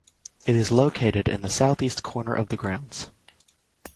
It is located in the southeast corner of the grounds.